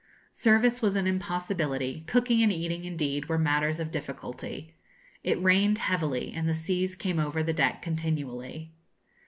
Service was an impossibility; cooking and eating, indeed, were matters of difficulty. It rained heavily, and the seas came over the deck continually.